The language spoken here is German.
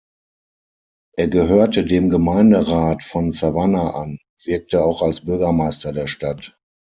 Er gehörte dem Gemeinderat von Savannah an und wirkte auch als Bürgermeister der Stadt.